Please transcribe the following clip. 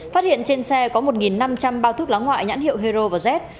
phát hiện trên xe có một năm trăm linh bao thuốc lá ngoại nhãn hiệu hero và jet